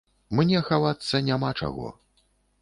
Мне хавацца няма чаго.